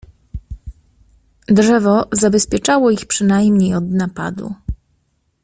Drzewo zabezpieczało ich przynajmniej od napadu.